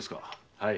はい。